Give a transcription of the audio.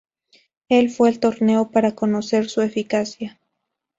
Él fue al torneo para conocer su eficacia.